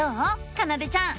かなでちゃん。